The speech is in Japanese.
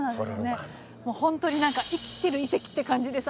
本当に何か生きてる遺跡って感じでさ。